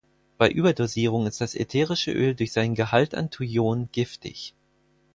Bei Überdosierung ist das ätherische Öl durch seinen Gehalt an Thujon giftig.